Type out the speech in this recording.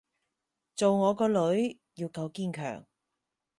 做我個女要夠堅強